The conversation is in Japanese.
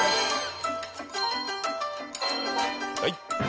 はい！